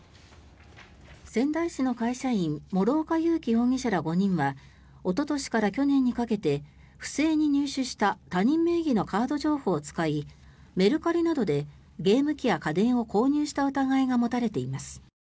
仙台市の会社員諸岡佑樹容疑者ら５人はおととしから去年にかけて不正に入手した他人名義のカード情報を使いメルカリなどでゲーム機や家電を購入した疑いが持たれています。